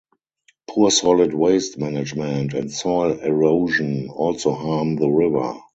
Poor solid waste management and soil erosion also harm the river.